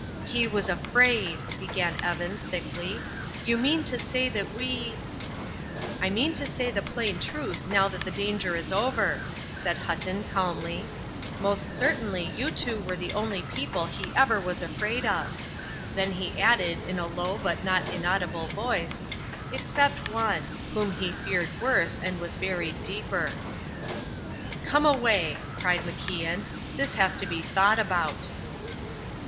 "He was afraid!" began Evan, thickly. "You mean to say that we " "I mean to say the plain truth now that the danger is over," said Hutton, calmly; "most certainly you two were the only people he ever was afraid of." Then he added in a low but not inaudible voice: "Except one whom he feared worse, and has buried deeper." "Come away," cried MacIan, "this has to be thought about."